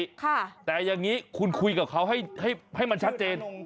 ค่ะแต่อย่างนี้คุณคุยกับเขาให้ให้มันชัดเจน